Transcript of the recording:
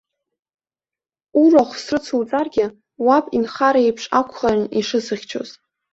Урахә срыцуҵаргьы, уаб инхара еиԥш акәхарын ишысыхьчоз.